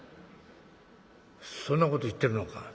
「そんなこと言ってるのか」。